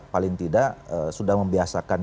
paling tidak sudah membiasakan